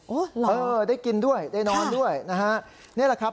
เหรอเออได้กินด้วยได้นอนด้วยนะฮะนี่แหละครับ